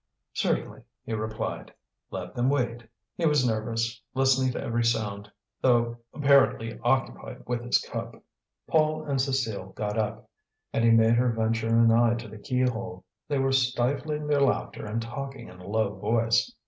"Certainly," he replied. "Let them wait." He was nervous, listening to every sound, though apparently occupied with his cup. Paul and Cécile got up, and he made her venture an eye to the keyhole. They were stifling their laughter and talking in a low voice.